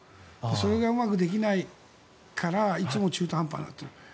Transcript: それがうまくできないからいつも中途半端になってる。